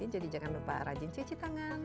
jangan lupa rajin cuci tangan